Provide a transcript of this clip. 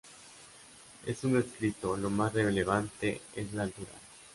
En un escritorio lo más relevante es la altura.